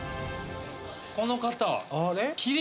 この方あ！